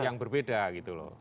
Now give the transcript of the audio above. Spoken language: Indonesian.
yang berbeda gitu loh